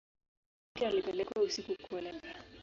Binti alipelekwa usiku kuolewa.